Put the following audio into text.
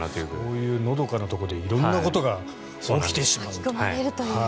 そういうのどかなところで色んなことが起きてしまうという。